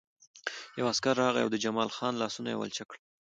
یو عسکر راغی او د جمال خان لاسونه یې ولچک کړل